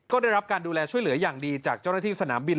ก็ได้รับการดูแลช่วยเหลืออย่างดีจากเจ้าหน้าที่สนามบิน